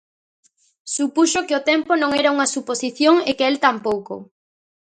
Supuxo que o tempo non era unha suposición e que el tampouco.